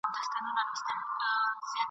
زه به نه یم ستا په لار کي به مي پل وي !.